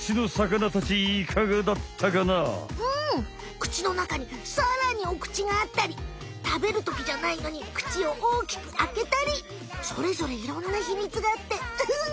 口の中にさらにお口があったり食べるときじゃないのに口を大きくあけたりそれぞれいろんなひみつがあってうん！